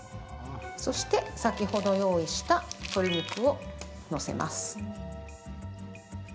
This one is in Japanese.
そして先ほど用意した鶏肉を載せます。